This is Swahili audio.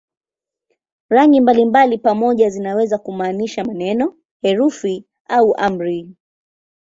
Rangi mbalimbali pamoja zinaweza kumaanisha maneno, herufi au amri.